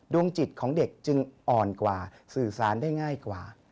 ดวงจิตของเด็กจึงอ่อนกว่าสื่อสารได้ง่ายกว่า